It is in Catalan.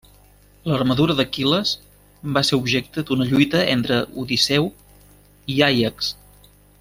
L'armadura d'Aquil·les va ser objecte d'una lluita entre Odisseu i Àiax.